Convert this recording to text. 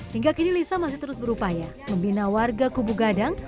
hingga kini lisa masih terus berupaya membina warga kubu gadang